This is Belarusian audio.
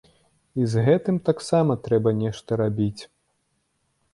І з гэтым таксама трэба нешта рабіць.